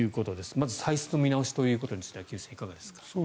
まず歳出の見直しということについては木内さん、いかがですか？